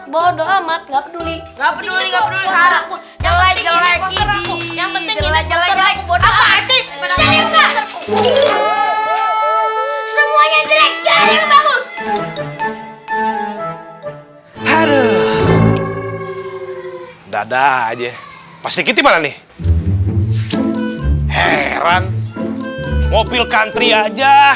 bodo amat bodo amat nggak peduli nggak peduli nggak peduli harap jelai jelai